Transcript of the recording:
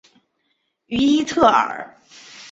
于伊特尔。